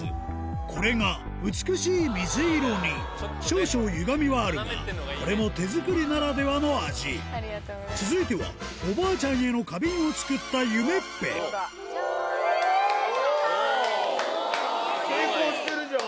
これが美しい水色に少々ゆがみはあるがこれも手作りならではの味続いてはおばあちゃんへの花瓶を作った夢っぺジャン！